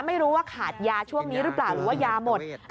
ไม่รู้ว่าขาดยาช่วงนี้หรือเปล่าหรือว่ายาหมด